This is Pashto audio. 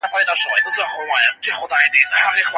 موږ به ئې په څلورو قولونو کي را مختصر کړو.